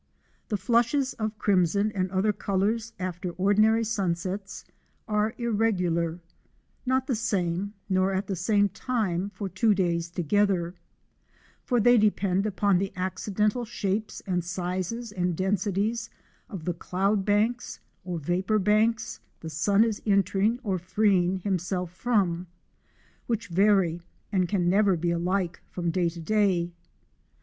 The flushes of crimson and other colours after ordinary sunsets are irregular, not the same nor at the same time for two days together ; for they depend upon the acci dental shapes and sizes and densities of the cloud banks or vapour banks the sun is entering or freeing himself from, which vary and can never be alike from day to day.